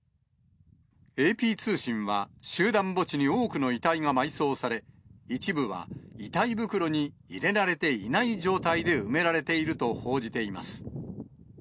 ＡＰ通信は、集団墓地に多くの遺体が埋葬され、一部は遺体袋に入れられていない状態で埋められていると報じています。